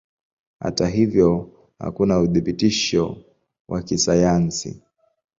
Hata hivyo hakuna uthibitisho wa kisayansi.